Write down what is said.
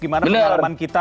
gimana pengalaman kita